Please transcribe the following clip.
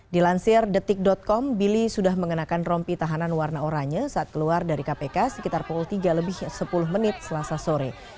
dilansir detik com billy sudah mengenakan rompi tahanan warna oranye saat keluar dari kpk sekitar pukul tiga lebih sepuluh menit selasa sore